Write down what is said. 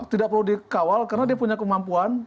tidak perlu dikawal karena dia punya kemampuan